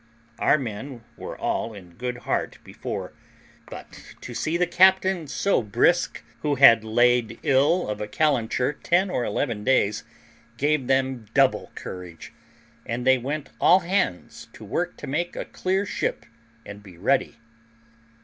Our men were all in good heart before, but to see the captain so brisk, who had lain ill of a calenture ten or eleven days, gave them double courage, and they went all hands to work to make a clear ship and be ready.